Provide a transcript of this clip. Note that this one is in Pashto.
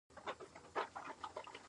آیا افغانستان پورونه لري؟